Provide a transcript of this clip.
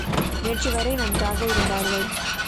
நேற்றுவரை நன்றாக இருந்தார்களே!